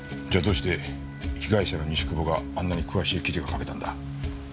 じゃあどうして被害者の西窪があんなに詳しい記事が書けたんだ？